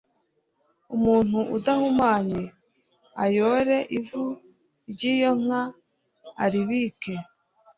umuntu udahumanye ayore ivu ry iyo nka aribike